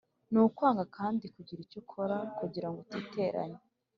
Ni ukwanga kandi kugira icyo ukora kugira ngo utiteranya.